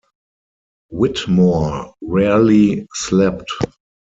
Whitmore rarely slept.